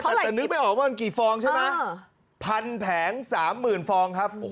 เยอะมากแต่นึกไม่ออกว่ามันกี่ฟองใช่ไหมอ่าพันแผงสามหมื่นฟองครับโอ้โห